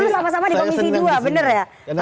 oh dulu sama sama di komisi dua bener ya